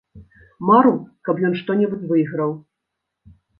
Мару, каб ён што-небудзь выйграў.